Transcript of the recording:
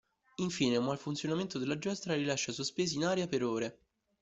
Infine, un malfunzionamento della giostra li lascia sospesi in aria per ore.